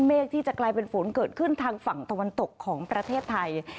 เมฆที่จะกลายเป็นฝนเกิดขึ้นทางฝั่งตะวันตกของประเทศไทย